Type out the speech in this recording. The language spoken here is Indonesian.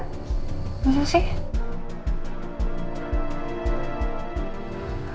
gak usah sih